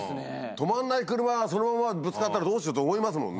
止まんない車そのままぶつかったらどうしようって思いますもんね。